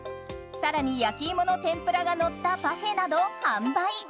更に、焼き芋の天ぷらがのったパフェなど販売。